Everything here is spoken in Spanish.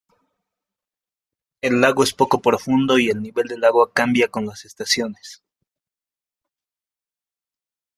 El lago es poco profundo y el nivel del agua cambia con las estaciones.